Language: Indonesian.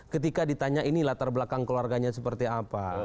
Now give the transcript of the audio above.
ketika ditanya ini latar belakang keluarganya seperti apa